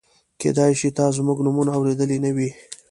کېدای شي تا زموږ نومونه اورېدلي نه وي.